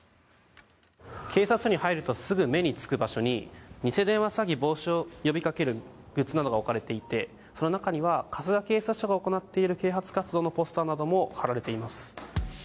警察署に入るとすぐ目につく場所に偽電話詐欺防止を呼びかけるグッズなどが置かれていてその中には春日警察署が行っている啓発活動のポスターなども貼られています。